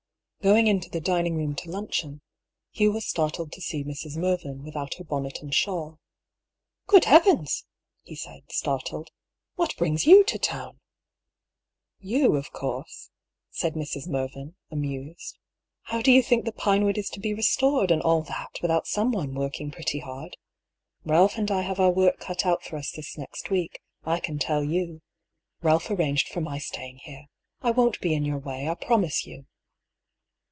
Going into the dining room to luncheon, Hugh was startled to see Mrs. Mervyn, without her bonnet and shawl. " Good heavens !" he said, startled. " What brings you to town ?"" You, of course," said Mrs. Mervyn, amused. " How do you think the Pinewood is to be restored, and all that, without some one working pretty hard ? Ealph and I have our work cut out for us this next week, I can tell you. Ealph arranged for my staying here. I won't be in your way, I promise you."